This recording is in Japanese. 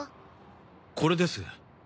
これです。